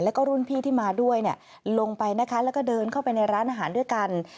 แล้วก็รุ่นพี่ที่มาด้วยลงไปนะคะแล้วก็เดินเข้าไปในร้านอาหารด้วยกัน